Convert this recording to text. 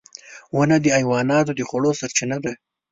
• ونه د حیواناتو د خوړو سرچینه ده.